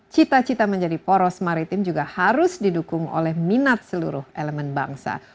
cita cita menjadi poros maritim juga harus didukung oleh minat seluruh elemen bangsa